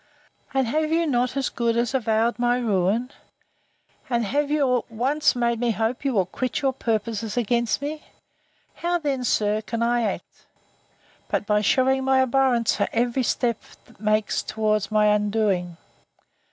And have you not as good as avowed my ruin?—And have you once made me hope you will quit your purposes against me? How then, sir, can I act, but by shewing my abhorrence of every step that makes towards my undoing?